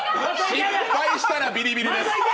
失敗したらビリビリです。